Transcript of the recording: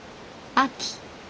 秋。